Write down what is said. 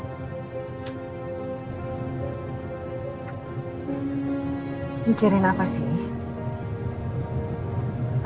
mikirin apa sih